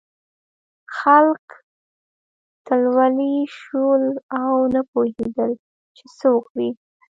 خلک تلولي شول او نه پوهېدل چې څه وکړي.